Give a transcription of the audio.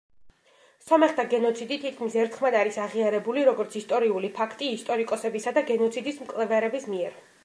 სომეხთა გენოციდი თითქმის ერთხმად არის აღიარებული, როგორც ისტორიული ფაქტი ისტორიკოსებისა და გენოციდის მკვლევარების მიერ.